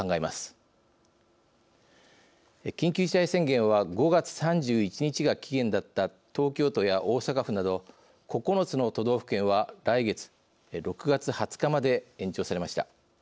緊急事態宣言は５月３１日が期限だった東京都や大阪府など９つの都道府県は来月６月２０日まで延長されました。